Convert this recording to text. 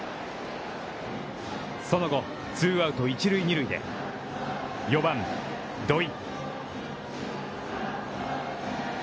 その後、ツーアウト、一塁二塁で４番、土井。